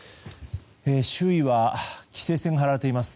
周囲は規制線が張られています。